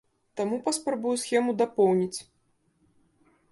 Таму паспрабую схему дапоўніць.